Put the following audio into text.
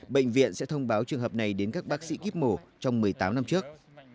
bệnh viện sẽ thông báo trường hợp này đến các bác sĩ kíp mổ trong một mươi tám năm trước